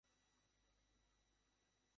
যাইহোক, বাড়িতে স্বাগতম, এস্থার।